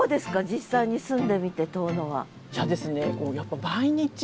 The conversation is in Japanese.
実際に住んでみて遠野は。